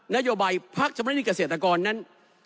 นโยบายพักเฉพาะเงินให้เกษตรกรนั้น